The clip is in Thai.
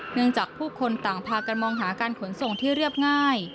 จากผู้คนต่างพากันมองหาการขนส่งที่เรียบง่าย